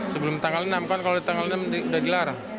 sebelum tanggal enam kan kalau di tanggal enam udah dilarang